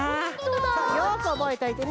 よくおぼえといてね。